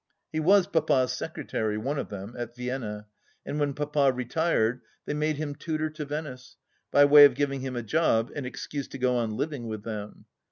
He was Papa's secretary — one of them — at Vienna, and when Papa retired they made him tutor to Venice, by way of giving him a job and excuse to go on living with them.